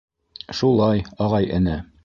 — Шулай, ағай-эне.